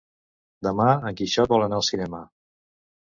Demà en Quixot vol anar al cinema.